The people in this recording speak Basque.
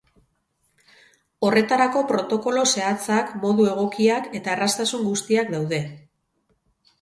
Horretarako protokolo zehatzak, modu egokiak eta erraztasun guztiak daude.